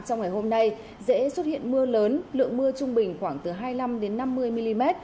trong ngày hôm nay dễ xuất hiện mưa lớn lượng mưa trung bình khoảng từ hai mươi năm năm mươi mm